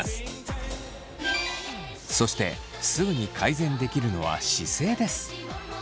そしてすぐに改善できるのは姿勢です。